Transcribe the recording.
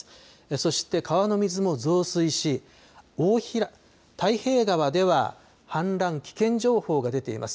そして川の水も増水し太平川では氾濫危険情報が出ています。